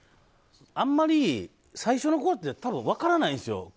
あんまり最初のころって多分、分からないんですよ